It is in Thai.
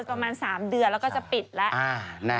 ประมาณ๓เดือนแล้วก็จะปิดแล้ว